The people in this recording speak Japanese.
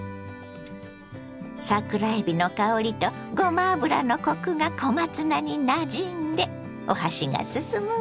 桜えびの香りとごま油のコクが小松菜になじんでお箸が進むわ。